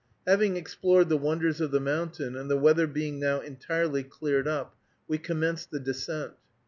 Having explored the wonders of the mountain, and the weather being now entirely cleared up, we commenced the descent.